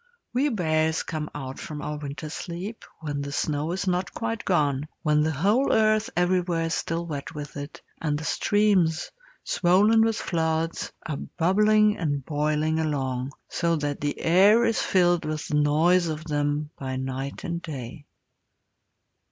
We bears come out from our winter sleep when the snow is not quite gone, when the whole earth everywhere is still wet with it, and the streams, swollen with floods, are bubbling and boiling along so that the air is filled with the noise of them by night and day.